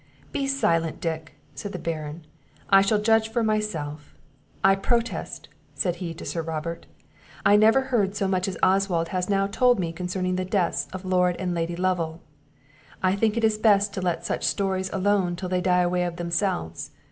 "Be silent, Dick," said the Baron; "I shall judge for myself. I protest," said he to Sir Robert, "I never heard so much as Oswald has now told me concerning the deaths of Lord and Lady Lovel; I think it is best to let such stories alone till they die away of themselves.